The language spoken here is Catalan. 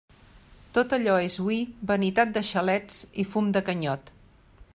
Tot allò és hui vanitat de xalets i fum de canyot.